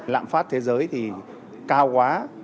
lạm phát thế giới thì cao quá